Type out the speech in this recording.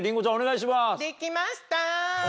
できました！